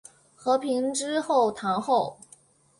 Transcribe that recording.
和平之后堂后。